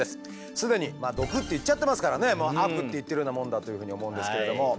既に「毒」って言っちゃってますからね「悪」って言ってるようなもんだというふうに思うんですけれども。